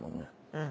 うん。